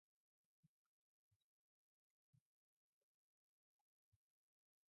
River Plate and San Lorenzo stadiums were the venues of the competition.